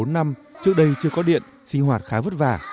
bốn năm trước đây chưa có điện sinh hoạt khá vất vả